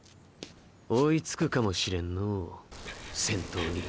追いつくかもしれんのうーー先頭に。